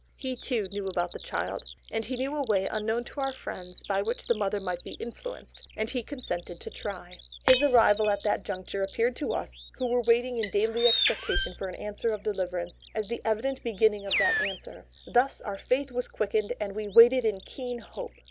He, too, knew about the child; and he knew a way unknown to our friends by which the mother might be influenced, and he consented to try. His arrival just at that juncture appeared to us, who were waiting in daily expectation of an answer of deliverance, as the evident beginning of that answer; thus our faith was quickened and we waited in keen hope.